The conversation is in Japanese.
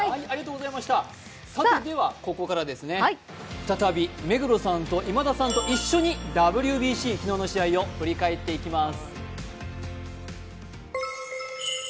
ここから再び目黒さんと今田さんと一緒にＷＢＣ、昨日の試合を振り返っていきます。